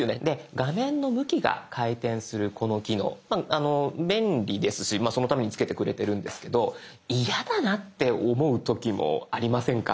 画面の向きが回転するこの機能便利ですしそのためにつけてくれてるんですけど嫌だなって思う時もありませんか？